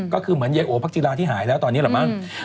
ก็คือเหมือนยายโอพักจิราที่หายแล้วตอนนี้แหละมั้ง